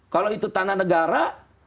kalau itu tanah negara